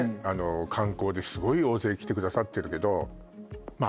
観光ですごい大勢来てくださってるけどまあ